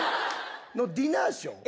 のディナーショー？